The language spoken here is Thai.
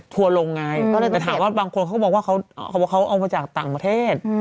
ทัวร์ลงไงแต่ถามว่าบางคนเขาก็มองว่าเขาบอกเขาเอามาจากต่างประเทศ